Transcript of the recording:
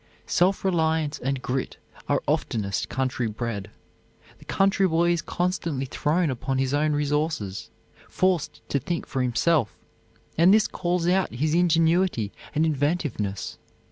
Self reliance and grit are oftenest country bred. The country boy is constantly thrown upon his own resources, forced to think for himself, and this calls out his ingenuity and inventiveness.